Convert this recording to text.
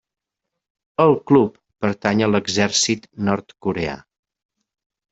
El club pertany a l'exèrcit nord-coreà.